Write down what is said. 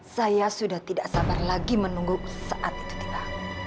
saya sudah tidak sabar lagi menunggu saat itu kita